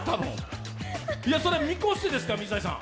それを見越してですか、水谷さん。